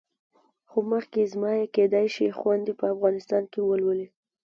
خو مخکې زما یې کېدای شي خویندې په افغانستان کې ولولي.